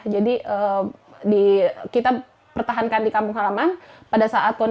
jadi kita pertahankan di kampung halaman